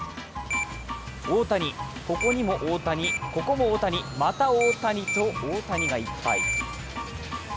大谷、ここにも大谷、ここも大谷、また大谷と、大谷がいっぱい。